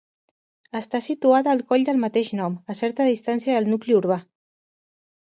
Està situat al coll del mateix nom, a certa distància del nucli urbà.